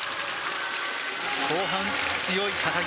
後半、強い高木。